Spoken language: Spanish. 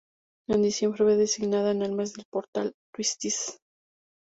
En diciembre fue designada del mes del portal Twistys.